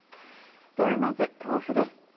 ではまず豆腐です。